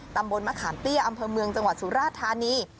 ตำบลมะขามเตี้ยอำเภอเมืองจังหวัดสุราธานี